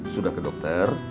sudah ke dokter